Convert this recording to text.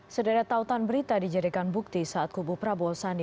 sederet tautan berita dijadikan bukti saat kubu prabowo sandi